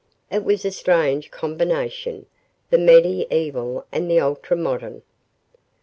It was a strange combination the medieval and the ultra modern.